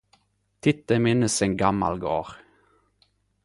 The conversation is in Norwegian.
Tidt eg minnest ein gamal gard